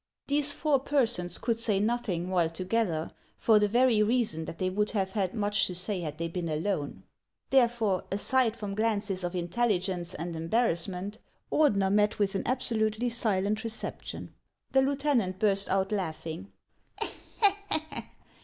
These four persons could say nothing while together, for the very reason that they would have had much to say had they been alone. Therefore, aside from glances of intelli gence and embarrassment, Ordener met with an absolutely silent reception. The lieutenant burst out laughing.